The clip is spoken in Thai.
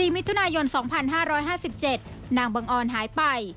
มิถุนายน๒๕๕๗นางบังออนหายไป